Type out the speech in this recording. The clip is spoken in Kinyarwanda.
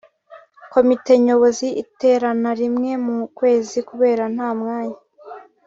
komite nyobozi iterana rimwe mu kwezi kubera nta mwanya